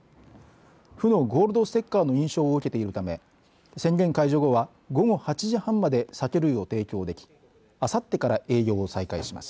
府のゴールドステッカーの認証を受けているため宣言解除後は午後８時半まで酒類を提供できあさってから営業を再開します。